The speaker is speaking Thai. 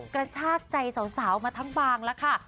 กระชากใจสาวมาทั้งบางแล้วค่ะ